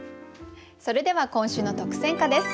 それでは今週の特選歌です。